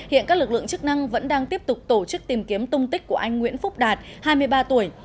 hiện các lực lượng chức năng vẫn đang tiếp tục tổ chức tìm kiếm tung tích của anh nguyễn phúc đạt hai mươi ba tuổi